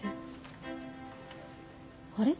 あれ？